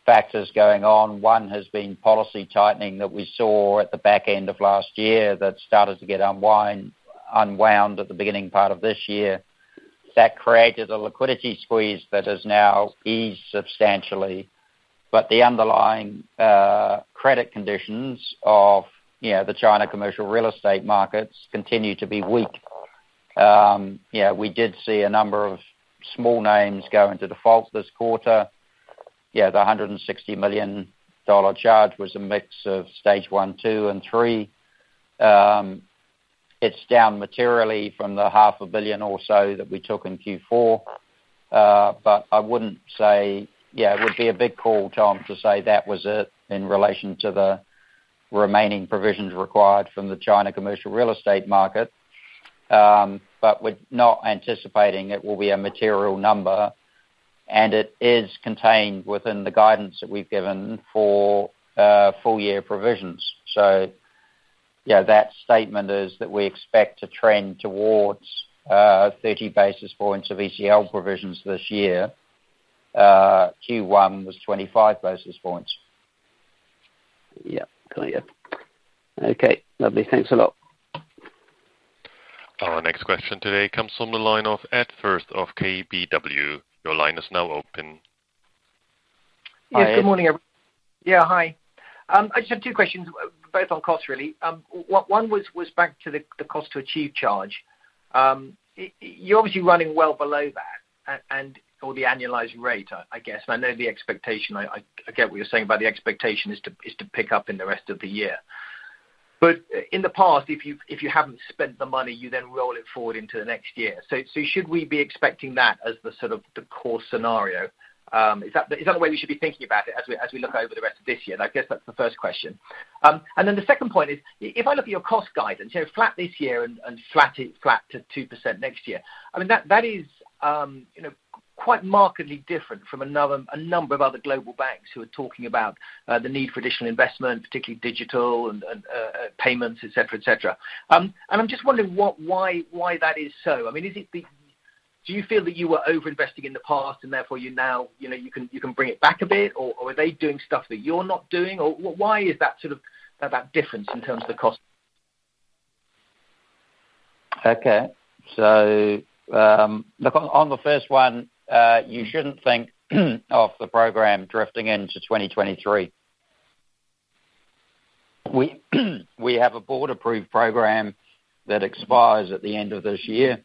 factors going on. One has been policy tightening that we saw at the back end of last year that started to get unwound at the beginning part of this year. That created a liquidity squeeze that has now eased substantially. The underlying credit conditions of, you know, the China commercial real estate markets continue to be weak. We did see a number of small names go into default this quarter. The $160 million charge was a mix of stage one, two, and three. It's down materially from the half a billion or so that we took in Q4. I wouldn't say it would be a big call, Tom, to say that was it in relation to the remaining provisions required from the China commercial real estate market. We're not anticipating it will be a material number, and it is contained within the guidance that we've given for full year provisions. You know, that statement is that we expect to trend towards 30 basis points of ECL provisions this year. Q1 was 25 basis points. Yeah. Got you. Okay, lovely. Thanks a lot. Our next question today comes from the line of Ed Firth of KBW. Your line is now open. Hi, Ed. Yes. Good morning. Yeah, hi. I just have two questions, both on costs, really. One was back to the cost to achieve charge. You're obviously running well below that or the annualizing rate, I guess, and I know the expectation. I get what you're saying about the expectation is to pick up in the rest of the year. In the past, if you haven't spent the money, you then roll it forward into the next year. Should we be expecting that as the sort of the core scenario? Is that the way we should be thinking about it as we look over the rest of this year? I guess that's the first question. The second point is, if I look at your cost guidance, you know, flat this year and flat to 2% next year, I mean, that is quite markedly different from a number of other global banks who are talking about the need for additional investment, particularly digital and payments, et cetera, et cetera. I'm just wondering why that is so. I mean, do you feel that you were over-investing in the past and therefore you now, you know, you can bring it back a bit? Or are they doing stuff that you're not doing? Or why is that sort of difference in terms of the cost? Okay. Look, on the first one, you shouldn't think of the program drifting into 2023. We have a board-approved program that expires at the end of this year.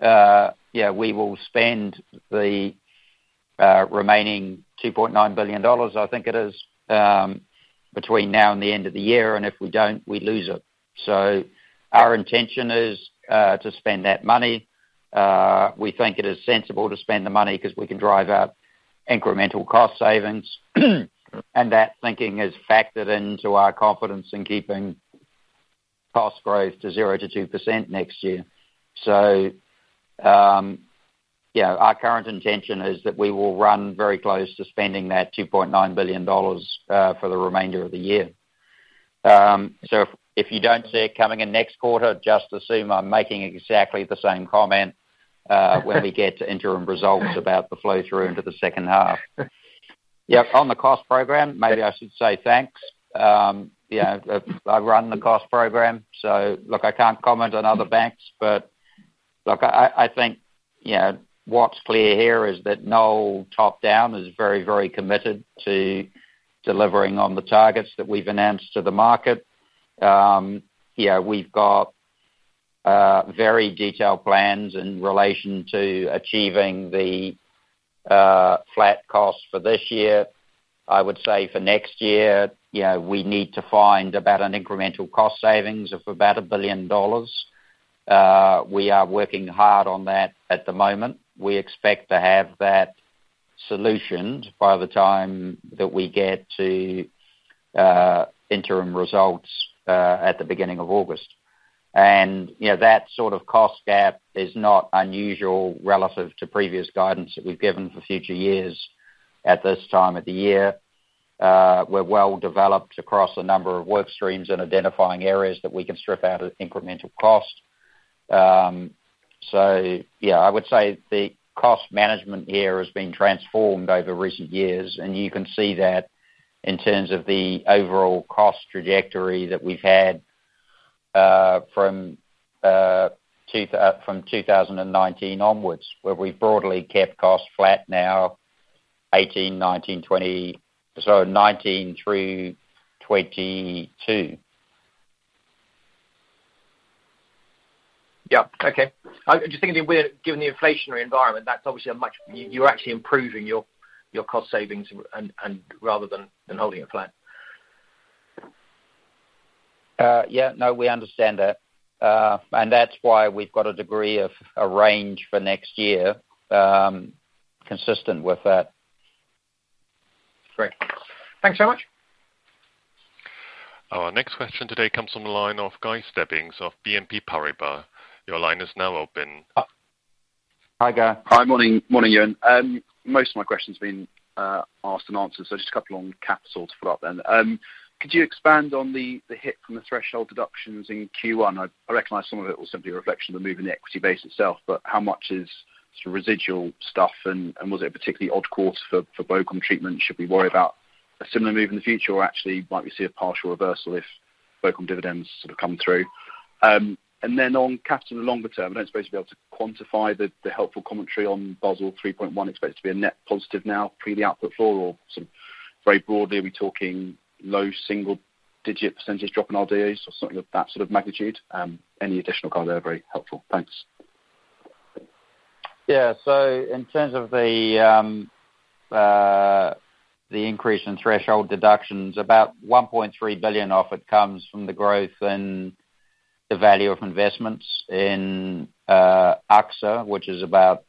Yeah, we will spend the remaining $2.9 billion, I think it is, between now and the end of the year, and if we don't, we lose it. Our intention is to spend that money. We think it is sensible to spend the money 'cause we can drive out incremental cost savings. That thinking is factored into our confidence in keeping cost growth to 0%-2% next year. You know, our current intention is that we will run very close to spending that $2.9 billion for the remainder of the year. If you don't see it coming in next quarter, just assume I'm making exactly the same comment when we get to interim results about the flow-through into the second half. Yeah, on the cost program, maybe I should say thanks. You know, I've run the cost program, so look, I can't comment on other banks. Look, I think, you know, what's clear here is that Noel, top down, is very, very committed to delivering on the targets that we've announced to the market. You know, we've got very detailed plans in relation to achieving the flat costs for this year. I would say for next year, you know, we need to find about an incremental cost savings of about $1 billion. We are working hard on that at the moment. We expect to have that solutioned by the time that we get to interim results at the beginning of August. You know, that sort of cost gap is not unusual relative to previous guidance that we've given for future years at this time of the year. We're well developed across a number of work streams and identifying areas that we can strip out at incremental cost. Yeah, I would say the cost management here has been transformed over recent years, and you can see that in terms of the overall cost trajectory that we've had from 2019 onwards, where we've broadly kept costs flat in 2018, 2019, 2020, 2019 through 2022. Yeah. Okay. I'm just thinking, we're given the inflationary environment, that's obviously a headwind. You, you're actually improving your cost savings and rather than holding it flat. Yeah, no, we understand that. That's why we've got a degree of a range for next year, consistent with that. Great. Thanks so much. Our next question today comes from the line of Guy Stebbings of BNP Paribas. Your line is now open. Hi, Guy. Hi. Morning, Ewen. Most of my questions have been asked and answered, so just a couple on capital to follow up then. Could you expand on the hit from the threshold deductions in Q1? I recognize some of it was simply a reflection of the move in the equity base itself, but how much is sort of residual stuff, and was it a particularly odd quarter for BoCom treatment? Should we worry about a similar move in the future? Or actually, might we see a partial reversal if BoCom dividends sort of come through? And then on capital in the longer term, I don't suppose you'd be able to quantify the helpful commentary on Basel 3.1. Expect it to be a net positive now pre the output floor or sort of very broadly, are we talking low single-digit % drop in RWAs or something of that sort of magnitude? Any additional color there would be helpful. Thanks. Yeah. In terms of the increase in threshold deductions, about $1.3 billion of it comes from the growth in the value of investments in AXA, which is about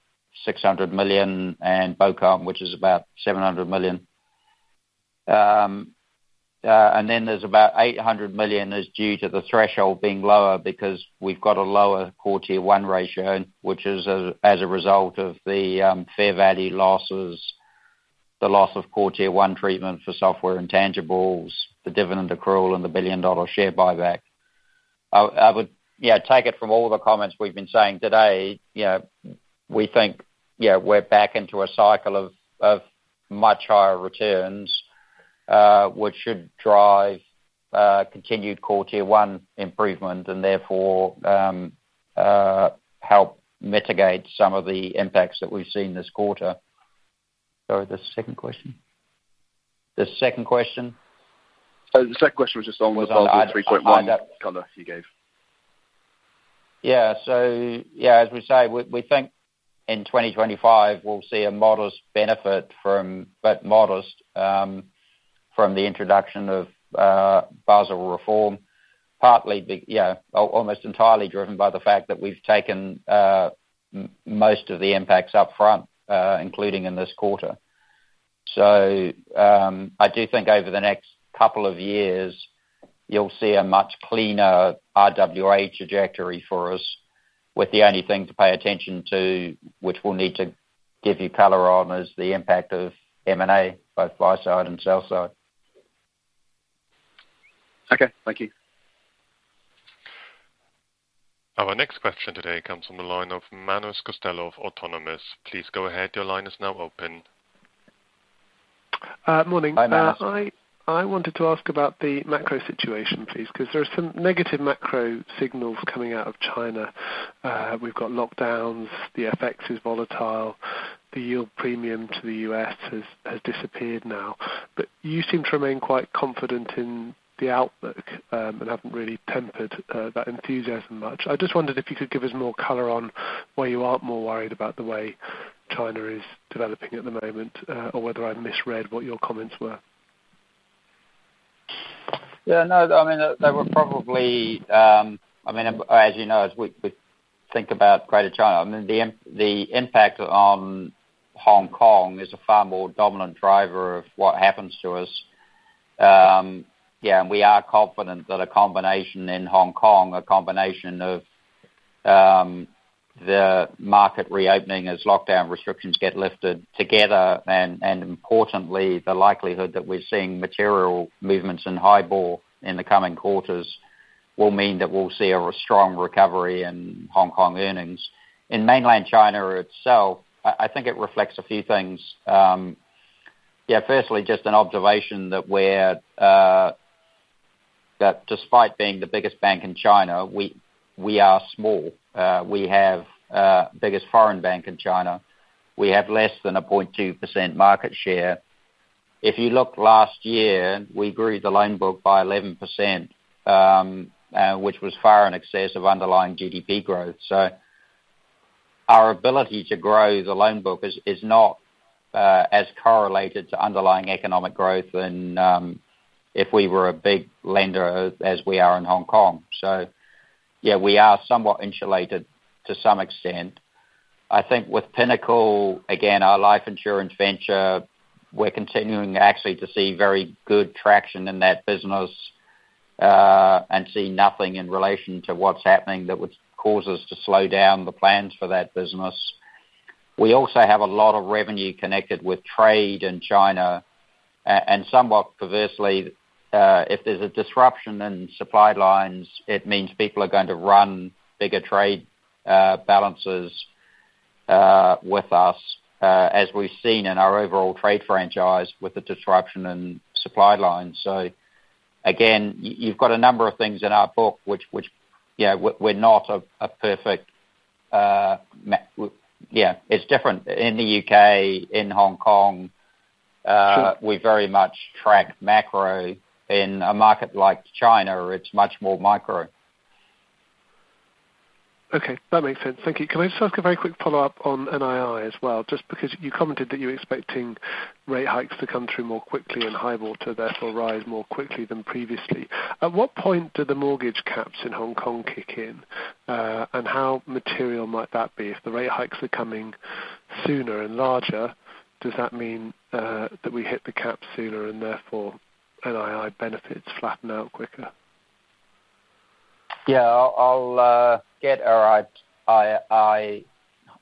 $600 million, and BoCom, which is about $700 million. And then there's about $800 million is due to the threshold being lower because we've got a lower core Tier 1 ratio, which is as a result of the fair value losses, the loss of core Tier 1 treatment for software intangibles, the dividend accrual and the $1 billion share buyback. I would, yeah, take it from all the comments we've been saying today, you know, we think, yeah, we're back into a cycle of much higher returns, which should drive continued core Tier 1 improvement and therefore help mitigate some of the impacts that we've seen this quarter. Sorry, the second question? The second question was just on. On, on, I- the Basel 3.1 color you gave. As we say, we think in 2025 we'll see a modest benefit from, but modest, from the introduction of Basel reform, partly you know, almost entirely driven by the fact that we've taken most of the impacts up front, including in this quarter. I do think over the next couple of years, you'll see a much cleaner RWA trajectory for us, with the only thing to pay attention to, which we'll need to give you color on, is the impact of M&A, both buy side and sell side. Okay. Thank you. Our next question today comes from the line of Manus Costello of Autonomous. Please go ahead. Your line is now open. Morning. Hi, Manus. I wanted to ask about the macro situation, please, 'cause there are some negative macro signals coming out of China. We've got lockdowns, the FX is volatile, the yield premium to the U.S. has disappeared now. You seem to remain quite confident in the outlook, and haven't really tempered that enthusiasm much. I just wondered if you could give us more color on why you aren't more worried about the way China is developing at the moment, or whether I misread what your comments were. No, I mean, they were probably, I mean, as you know, as we think about Greater China, I mean, the impact on Hong Kong is a far more dominant driver of what happens to us. We are confident that a combination in Hong Kong of the market reopening as lockdown restrictions get lifted together and importantly, the likelihood that we're seeing material movements in HIBOR in the coming quarters, will mean that we'll see a strong recovery in Hong Kong earnings. In mainland China itself, I think it reflects a few things. Firstly, just an observation that despite being the biggest bank in China, we are small. We are the biggest foreign bank in China. We have less than 0.2% market share. If you look last year, we grew the loan book by 11%, which was far in excess of underlying GDP growth. Our ability to grow the loan book is not as correlated to underlying economic growth than if we were a big lender as we are in Hong Kong. Yeah, we are somewhat insulated to some extent. I think with Pinnacle, again, our life insurance venture, we're continuing actually to see very good traction in that business, and see nothing in relation to what's happening that would cause us to slow down the plans for that business. We also have a lot of revenue connected with trade in China. Somewhat perversely, if there's a disruption in supply lines, it means people are going to run bigger trade balances with us, as we've seen in our overall trade franchise with the disruption in supply lines. Again, you've got a number of things in our book which, you know, we're not a perfect. Yeah, it's different. In the U.K., in Hong Kong, we very much track macro. In a market like China, it's much more micro. Okay, that makes sense. Thank you. Can I just ask a very quick follow-up on NII as well, just because you commented that you're expecting rate hikes to come through more quickly and HIBOR therefore rise more quickly than previously. At what point do the mortgage caps in Hong Kong kick in? How material might that be? If the rate hikes are coming sooner and larger, does that mean that we hit the cap sooner and therefore NII benefits flatten out quicker? Yeah. I'll get our IR,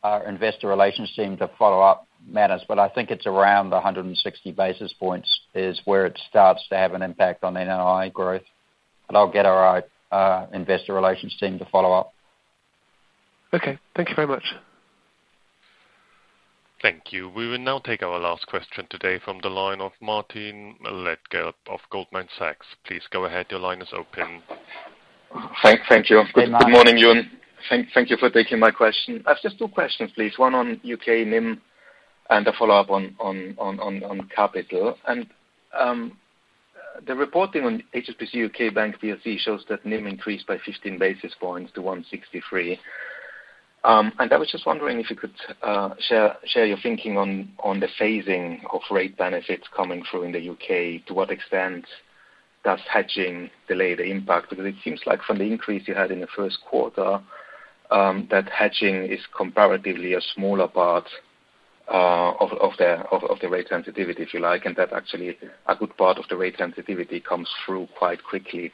our investor relations team to follow up matters, but I think it's around 160 basis points is where it starts to have an impact on NII growth. I'll get our investor relations team to follow up. Okay. Thank you very much. Thank you. We will now take our last question today from the line of Martin Leitgeb of Goldman Sachs. Please go ahead. Your line is open. Thank you. Good morning, Ewen. Thank you for taking my question. I have just two questions, please. One on U.K. NIM and a follow-up on capital. The reporting on HSBC U.K. Bank plc shows that NIM increased by 15 basis points to 163. And I was just wondering if you could share your thinking on the phasing of rate benefits coming through in the U.K. To what extent does hedging delay the impact? Because it seems like from the increase you had in the first quarter, that hedging is comparatively a smaller part of the rate sensitivity, if you like, and that actually a good part of the rate sensitivity comes through quite quickly.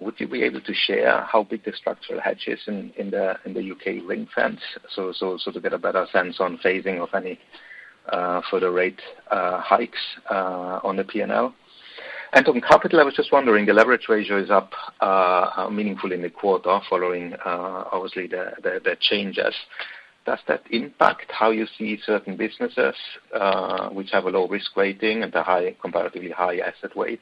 Would you be able to share how big the structural hedge is in the U.K. Ring-Fence so to get a better sense on phasing of any further rate hikes on the P&L? On capital, I was just wondering, the leverage ratio is up meaningfully in the quarter following obviously the changes. Does that impact how you see certain businesses which have a low risk rating and a comparatively high asset weight,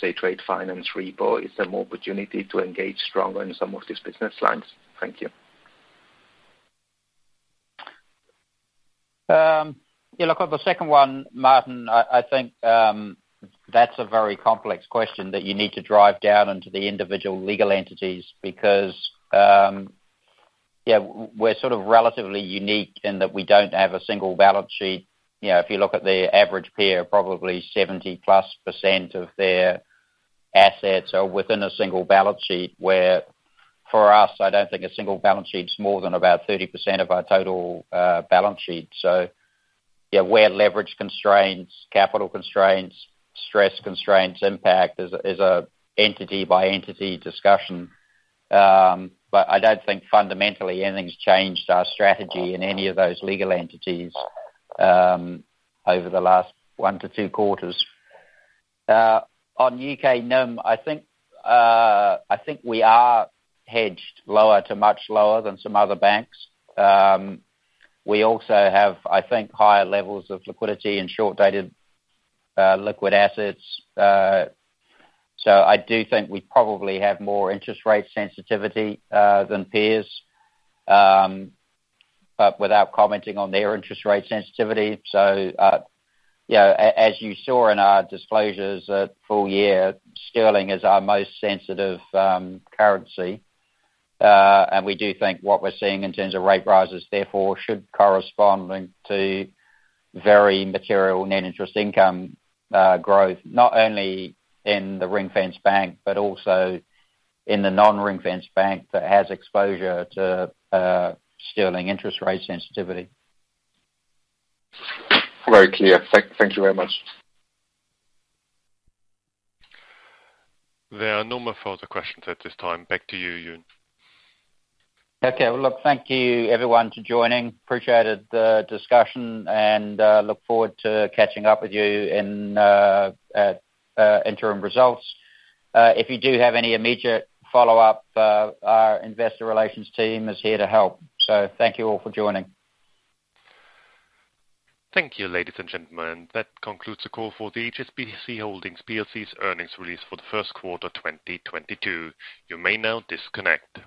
say, trade finance repo? Is there more opportunity to engage stronger in some of these business lines? Thank you. Yeah, look, on the second one, Martin, I think that's a very complex question that you need to drive down into the individual legal entities because, yeah, we're sort of relatively unique in that we don't have a single balance sheet. You know, if you look at the average peer, probably 70%+ of their assets are within a single balance sheet. Whereas for us, I don't think a single balance sheet's more than about 30% of our total balance sheet. Yeah, where leverage constraints, capital constraints, stress constraints impact is a entity-by-entity discussion. But I don't think fundamentally anything's changed our strategy in any of those legal entities over the last 1-2 quarters. On U.K. NIM, I think we are hedged lower to much lower than some other banks. We also have, I think, higher levels of liquidity and short-dated liquid assets. I do think we probably have more interest rate sensitivity than peers, but without commenting on their interest rate sensitivity. You know, as you saw in our disclosures at full year, sterling is our most sensitive currency. We do think what we're seeing in terms of rate rises therefore should correspond then to very material net interest income growth, not only in the Ring-Fence bank, but also in the non Ring-Fence bank that has exposure to sterling interest rate sensitivity. Very clear. Thank you very much. There are no more further questions at this time. Back to you, Ewen. Okay. Well, look, thank you everyone for joining. We appreciated the discussion, and we look forward to catching up with you at interim results. If you do have any immediate follow-up, our investor relations team is here to help. Thank you all for joining. Thank you, ladies and gentlemen. That concludes the call for the HSBC Holdings plc's earnings release for Q1 of 2022. You may now disconnect.